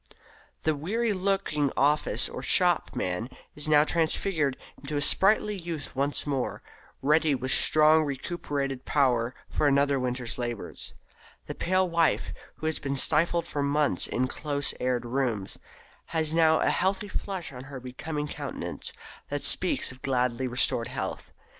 The weary looking office or shop man is now transfigured into a sprightly youth once more, ready with strongly recuperated power for another winter's labours. The pale wife, who has been stifled for months in close aired rooms, has now a healthy flush on her becoming countenance that speaks of gladly restored health.